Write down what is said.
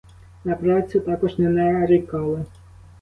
На працю також не нарікали.